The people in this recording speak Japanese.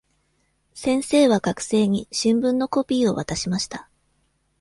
先生は学生に新聞のコピーを渡しました。